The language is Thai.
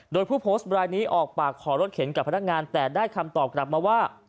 โดยผู้โพสต์รายนี้ออกปากขอรถเข็นกับพนักงานแต่ได้คำตอบกลับมาว่า